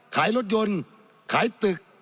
ขายรถยนต์ขายตึก